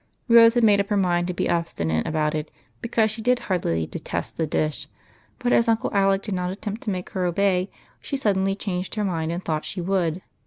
Rose had made up her mind to be obstinate about it, because she did heartily "detest" the dish ; but as Uncle Alec did not attempt to make her obey, she suddenly changed her mind and thought she would.